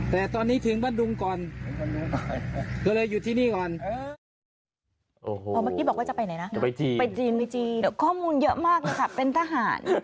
ข้อมูลเยอะมากเลยค่ะเป็นทหาร